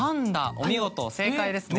お見事正解ですね。